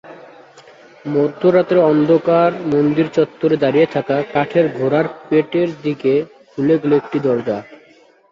মধ্যরাতে অন্ধকার মন্দির চত্বরে দাঁড়িয়ে থাকা কাঠের ঘোড়ার পেটের দিকে খুলে গেল একটি দরজা।